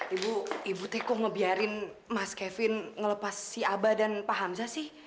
ibu ibu tiku ngebiarin mas kevin ngelepas si aba dan pak hamzah sih